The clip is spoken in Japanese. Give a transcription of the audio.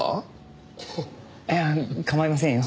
いや構いませんよ。